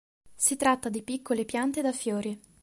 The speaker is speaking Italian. Si tratta di piccole piante da fiore.